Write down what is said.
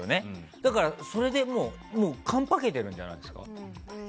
だから、それでもう完パケてるんじゃないですか。